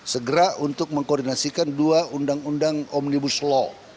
segera untuk mengkoordinasikan dua undang undang omnibus law